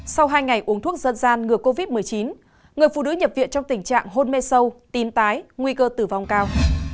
sau hai ngày uống thuốc dân gian ngừa covid một mươi chín người phụ nữ nhập viện trong tình trạng hôn mê sâu tím tái nguy cơ tử vong cao